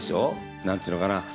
何と言うのかな